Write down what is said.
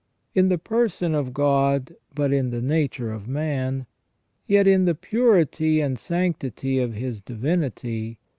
In the person of God, but in the nature of man, yet in the purity and sanctity of His divinity.